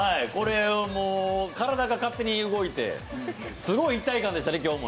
体が勝手に動いて、すごい一体感でしたね、今日も。